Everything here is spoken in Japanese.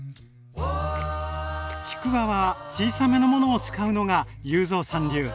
ちくわは小さめのものを使うのが裕三さん流。